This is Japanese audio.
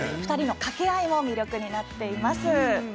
２人の掛け合いも魅力になっています。